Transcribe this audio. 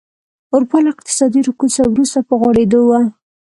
اروپا له اقتصادي رکود وروسته په غوړېدو وه.